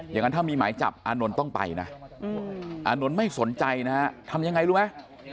อย่างนั้นถ้ามีหมายจับอานนท์ต้องไปนะอานนท์ไม่สนใจนะฮะทำยังไงรู้ไหม